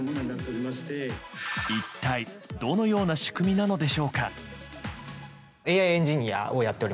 一体どのような仕組みなのでしょうか。